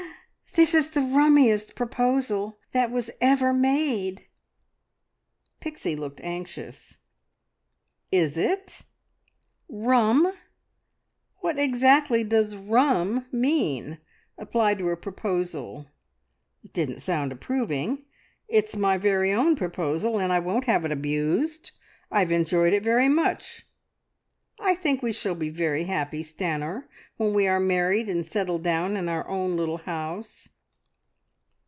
"This is the rummiest proposal that was ever made!" Pixie looked anxious. "Is it? `Rum'? What exactly does `rum' mean, applied to a proposal? It didn't sound approving. It's my very own proposal, and I won't have it abused. I've enjoyed it very much. ... I think we shall be very happy, Stanor, when we are married and settled down in our own little house."